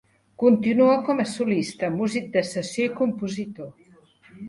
Continua com a solista, músic de sessió i compositor.